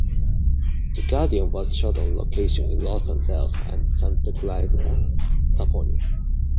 "The Guardian" was shot on location in Los Angeles and Santa Clarita, California.